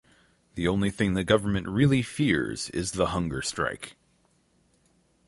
The only one thing the Government really fears is the hunger strike.